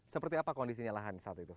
seperti apa kondisinya lahan saat itu